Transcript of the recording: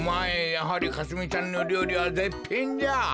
やはりかすみちゃんのりょうりはぜっぴんじゃ。